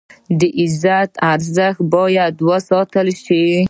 د عزت ارزښت باید وساتل شي.